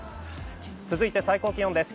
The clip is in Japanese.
続いて最高気温です。